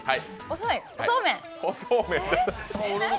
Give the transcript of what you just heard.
そうめん？